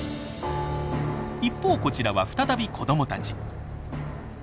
一方こちらは再び子どもたち。